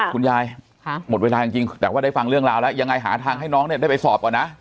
คุณยายหมดเวลาจริงแต่ว่าได้ฟังเรื่องราวแล้วยังไงหาทางให้น้องเนี่ยได้ไปสอบก่อนนะ